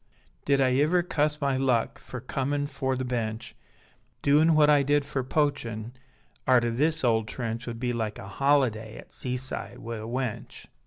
Did I iver cuss my luck Fer comin' fore the Bench; Doin what I did fer poachin, Arter this ole trench Would be like a holiday At seaside wi' a wench.